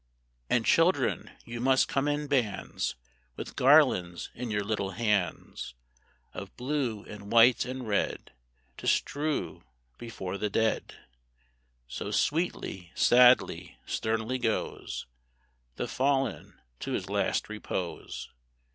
And, children, you must come in bands, With garlands in your little hands, Of blue and white and red, To strew before the dead. So sweetly, sadly, sternly goes The Fallen to his last repose.